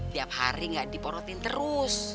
tiap hari gak diporotin terus